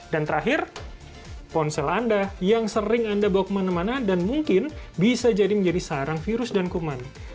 dan terakhir ponsel anda yang sering anda bawa kemana mana dan mungkin bisa jadi menjadi sarang virus dan kuman